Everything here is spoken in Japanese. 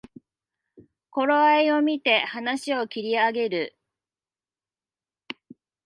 頃合いをみて話を切り上げる